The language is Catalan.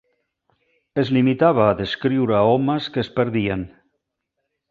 Es limitava a descriure homes que es perdien.